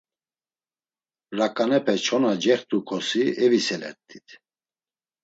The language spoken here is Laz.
Raǩanepe çona cext̆ukosi eviselert̆it.